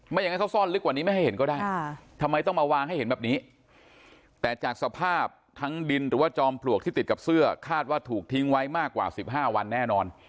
อย่างนั้นเขาซ่อนลึกกว่านี้ไม่ให้เห็นก็ได้ทำไมต้องมาวางให้เห็นแบบนี้แต่จากสภาพทั้งดินหรือว่าจอมปลวกที่ติดกับเสื้อคาดว่าถูกทิ้งไว้มากกว่า๑๕วันแน่นอน